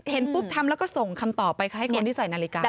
เห็นปุ๊บทำแล้วก็ส่งคำตอบไปให้คนที่ใส่นาฬิกา